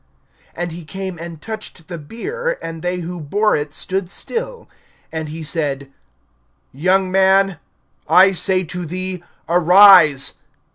(14)And he came and touched the bier; and they who bore it stood still. And he said: Young man, I say to thee, arise.